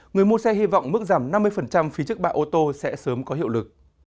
người mua xe hy vọng mức giảm năm mươi phí trước bạ ô tô sẽ sớm có hiệu lực